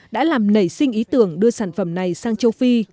đã làm nảy sinh ý tưởng đưa sản phẩm này sang châu phi